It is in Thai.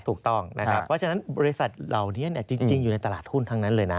เพราะฉะนั้นบริษัทเหล่านี้จริงอยู่ในตลาดหุ้นทั้งนั้นเลยนะ